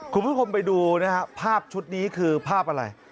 คุณผู้ชมไปดูนะฮะภาพชุดนี้คือภาพอะไร